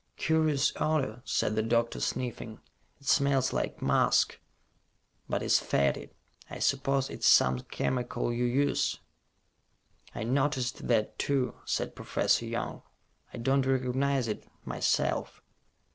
"Curious odor," said the doctor, sniffing. "It smells like musk, but is fetid. I suppose it's some chemical you use." "I noticed that, too," said Professor Young. "I don't recognize it, myself."